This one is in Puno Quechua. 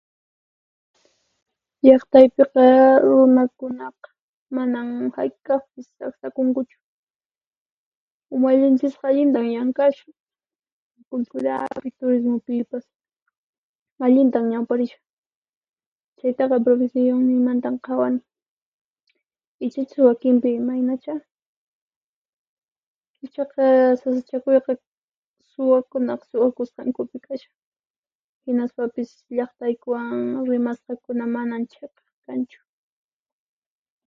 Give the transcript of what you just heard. Llaqtaypiqa runakunaqa manan hayk'aqpis saqsakunkuchu. Umallinchisqa allintan llank'ashan, kulturapi, turismupipas allintan ñawparishan. Chaytaqa profesiyunniymantan qawani. Ichachus wakinpi imaynachá. Ichaqa sasachakuyqa suwakunaq suwasqankupi kashan, hinaspapis llaqtaykuwan rimasqakuna manam chiqaq kanchu.